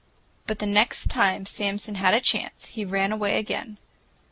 But the next time Samson had a chance, he ran away again.